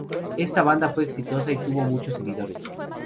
Esta banda fue exitosa y tuvo muchos seguidores.